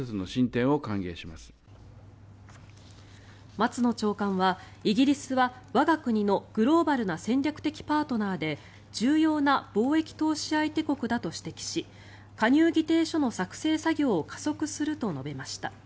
松野長官はイギリスは我が国のグローバルな戦略的パートナーで重要な貿易投資相手国だと指摘し加入議定書の作成作業を加速すると述べました。